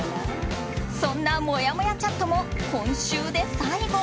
そんな、もやもやチャットも今週で最後。